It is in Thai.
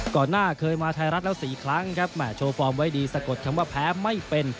ก่อนหน้าเคยมาไทยรัฐแล้ว๔ครั้งครับแหม่โชว์ฟอร์มไว้ดีสะกดคำว่าแพ้ไม่เป็น